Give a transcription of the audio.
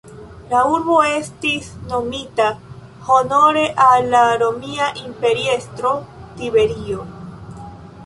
La urbo estis nomita honore al la romia imperiestro Tiberio.